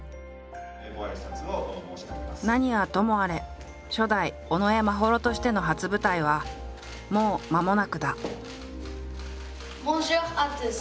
何はともあれ初代尾上眞秀としての初舞台はもうまもなくだ。